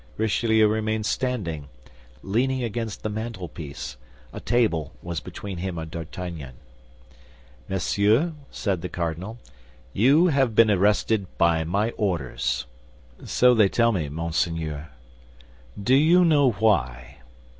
Richelieu remained standing, leaning against the mantelpiece; a table was between him and D'Artagnan. "Monsieur," said the cardinal, "you have been arrested by my orders." "So they tell me, monseigneur." "Do you know why?"